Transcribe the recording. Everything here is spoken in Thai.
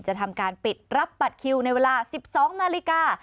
จะทำการปิดรับบัตรคิวในเวลา๑๒นาฬิกา